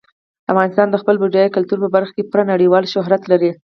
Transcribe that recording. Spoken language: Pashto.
افغانستان د خپل بډایه کلتور په برخه کې پوره نړیوال شهرت لري.